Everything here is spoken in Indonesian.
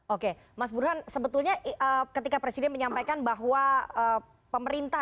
oke mas burhan sebetulnya ketika presiden menyampaikan bahwa pemerintah